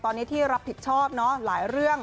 ตอนนี้ที่รับผิดชอบหลายเรื่อง